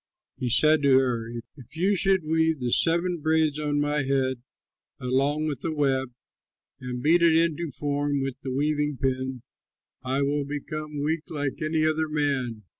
He said to her, "If you should weave the seven braids on my head along with the web and beat it into form with the weaving pin, I would become weak like any other man."